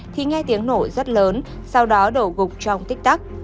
thì nghe tiếng nổ rất lớn sau đó đổ gục cho ông tích tắc